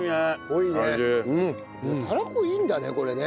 たらこいいんだねこれね。